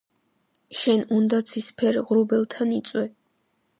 შენ უნდა ცისფერ ღრუბელთან იწვე,